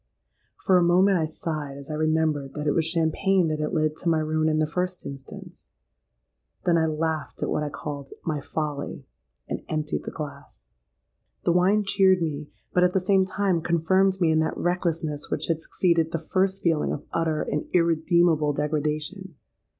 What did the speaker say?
For a moment I sighed as I remembered that it was champagne that had led to my ruin in the first instance:—then I laughed at what I called 'my folly,' and emptied the glass. The wine cheered me, but, at the same time, confirmed me in that recklessness which had succeeded the first feeling of utter and irredeemable degradation.